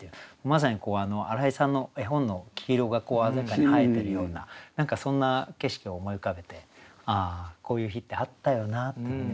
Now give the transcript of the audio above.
まさに荒井さんの絵本の黄色が鮮やかに映えてるような何かそんな景色を思い浮かべて「あこういう日ってあったよな」って思い出させてくれた一句でしたね。